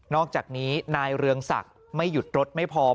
อกจากนี้นายเรืองศักดิ์ไม่หยุดรถไม่พอ